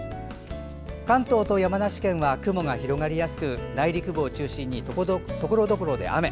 関東と山梨県は雲が広がりやすく内陸部を中心にところどころで雨。